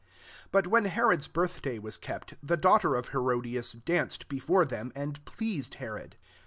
6 But when Herod's birthday was kept, the daugh ter of Herodias danced before them and pleased Herod.